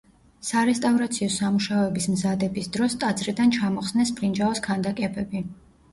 სარესტავრაციო სამუშაოების მზადების დროს ტაძრიდან ჩამოხსნეს ბრინჯაოს ქანდაკებები.